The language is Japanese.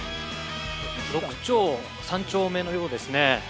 六町３丁目のようですね。